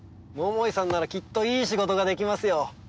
桃井さんならきっといい仕事ができますよ。